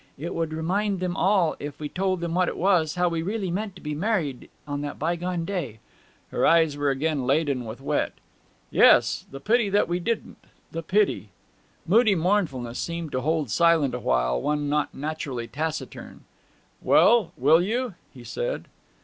It would remind them all, if we told them what it was, how we really meant to be married on that bygone day!' Her eyes were again laden with wet. 'Yes ... The pity that we didn't the pity!' Moody mournfulness seemed to hold silent awhile one not naturally taciturn. 'Well will you?' he said.